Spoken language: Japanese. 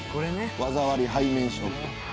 技あり背面ショット。